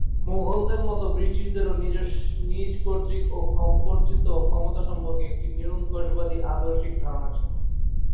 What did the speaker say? মুগলদের মতো ব্রিটিশদেরও নিজ কর্তৃত্ব ও ক্ষমতা সম্পর্কে একটি নিরঙ্কুশবাদী আদর্শিক ধারণা ছিল।